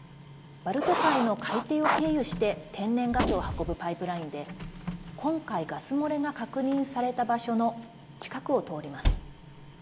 バルト海の海底を経由して天然ガスを運ぶパイプラインで今回ガス漏れが確認された場所の近くを通ります。